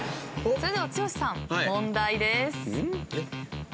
それでは剛さん問題です。